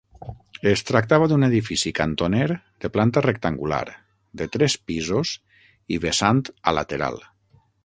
Es tractava d'un edifici cantoner de planta rectangular, de tres pisos i vessant a lateral.